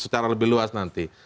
secara lebih luas nanti